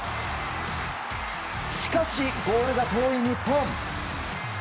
しかし、ゴールが遠い日本。